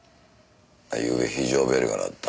ゆうべ非常ベルが鳴った。